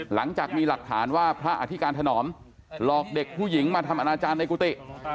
หลังจากมีหลักฐานว่าพระอธิการถนอมหลอกเด็กผู้หญิงมาทำอนาจารย์ในกุฏิ